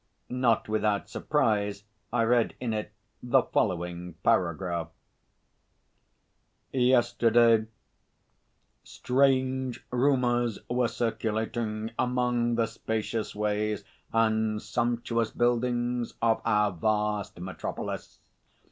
Not without surprise I read in it the following paragraph: "Yesterday strange rumours were circulating among the spacious ways and sumptuous buildings of our vast metropolis.